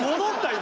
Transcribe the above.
今。